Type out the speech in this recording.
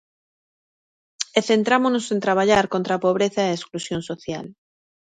E centrámonos en traballar contra a pobreza e a exclusión social.